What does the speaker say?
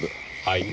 はい？